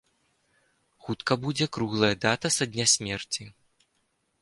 Хутка будзе круглая дата са дня смерці.